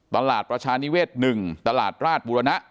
ตลาดประชานิเวศ๑ตลาดราชบุรณะ